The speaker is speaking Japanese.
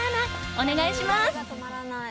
お願いします。